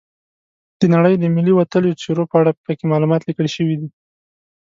د نړۍ د ملي وتلیو څیرو په اړه پکې معلومات لیکل شوي دي.